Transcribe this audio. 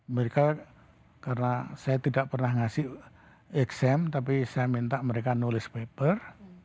mereka karena saya tidak pernah ngasih xm tapi saya minta mereka nulis paper